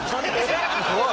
おい！